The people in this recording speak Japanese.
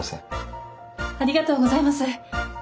ありがとうございます。